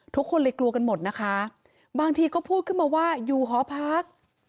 ทุกคนเลยกลัวกันหมดนะคะบางทีก็พูดขึ้นมาว่าอยู่หอพัก